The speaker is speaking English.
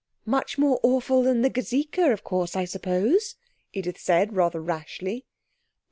'Much more awful than the gazeka, of course, I suppose?' Edith said rather rashly.